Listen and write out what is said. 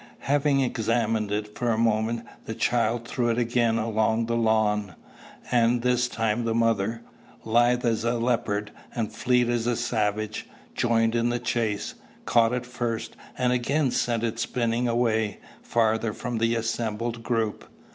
Having examined it for a moment, the child threw it again along the lawn; and this time the mother, lithe as a leopard and fleet as a savage, joined in the chase, caught it first, and again sent it spinning away, farther from the assembled group.